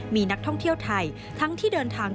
มีนักท่องเที่ยวไทยทั้งที่เดินทาง